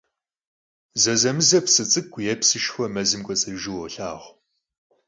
Zezemıze psı ts'ık'u yê psışşxue mezım k'uets'rıjju vuolhağu.